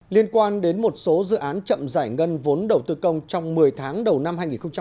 liên quan đến một số dự án chậm giải ngân vốn đầu tư công trong một mươi tháng đầu năm hai nghìn hai mươi